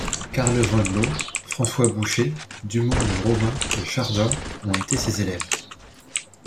Carle Van Loo, François Boucher, Dumont le Romain et Chardin ont été ses élèves.